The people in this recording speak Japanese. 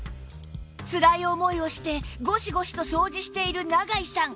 つらい思いをしてゴシゴシと掃除している永井さん